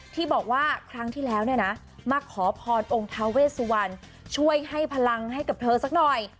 ที่บอกว่าครั้งที่แล้วเนี่ยนะมาขอพรองค์ทาเวสวันช่วยให้พลังให้กับเธอสักหน่อย